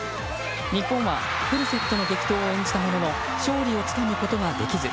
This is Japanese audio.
日本はフルセットの激闘を演じたものの勝利をつかむことはできず。